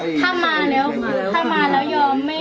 นี่เห็นจริงตอนนี้ต้องซื้อ๖วัน